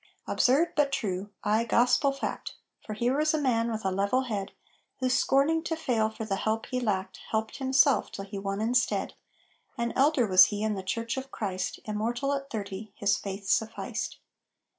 Absurd, but true ay, gospel fact; For here was a man with a level head, Who, scorning to fail for the help he lacked, Helped himself till he won instead; An elder was he in the Church of Christ, Immortal at thirty; his faith sufficed.